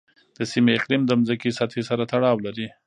د سیمې اقلیم د ځمکې سطحې سره تړاو لري.